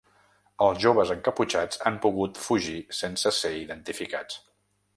Els joves encaputxats han pogut fugir sense ser identificats.